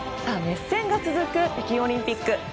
熱戦が続く北京オリンピック。